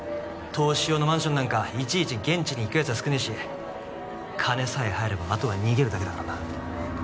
投資用のマンションなんかいちいち現地に行くやつは少ねえし金さえ入ればあとは逃げるだけだからな